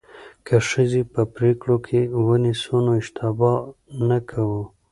که ښځې په پریکړو کې ونیسو نو اشتباه نه کوو.